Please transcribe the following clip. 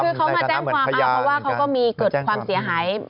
คือเขามาแจ้งความเพราะว่าเขาก็มีเกิดความเสียหาย